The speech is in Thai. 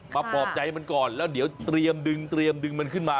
มาปลอบใจมันก่อนแล้วเดี๋ยวเตรียมดึงมันขึ้นมา